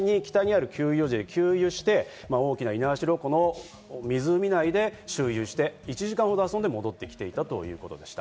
佐藤容疑者、北で給油して、猪苗代湖の湖内で周遊して１時間ほど遊んで戻ってきていたということでした。